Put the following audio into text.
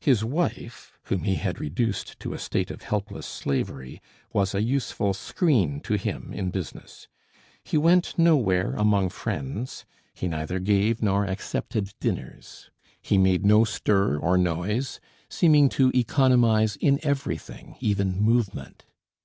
His wife, whom he had reduced to a state of helpless slavery, was a useful screen to him in business. He went nowhere among friends; he neither gave nor accepted dinners; he made no stir or noise, seeming to economize in everything, even movement.